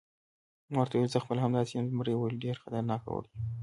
ما ورته وویل: زه خپله همداسې یم، زمري وویل: ډېر خطرناک اوړی و.